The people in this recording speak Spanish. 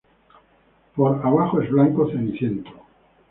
Por abajo es blanco ceniciento.